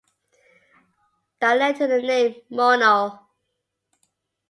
That led to the name Mono.